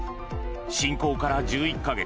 侵攻から１１か月